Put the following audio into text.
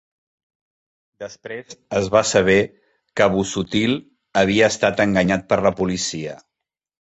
Després es va saber que Busuttil havia estat enganyat per la policia.